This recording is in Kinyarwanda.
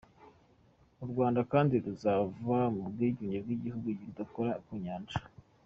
U Rwanda kandi ruzava mu bwigunge nk’igihugu kidakora ku Nyanja.